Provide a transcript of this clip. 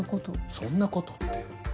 「そんなこと」って。